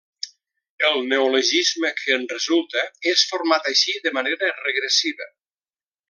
El neologisme que en resulta és format així de manera regressiva.